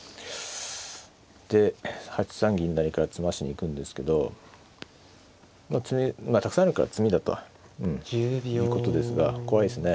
で８三銀成から詰ましに行くんですけど詰みまあたくさんあるから詰みだということですが怖いですね。